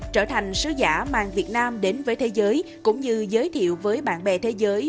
trở thành sứ giả mang việt nam đến với thế giới cũng như giới thiệu với bạn bè thế giới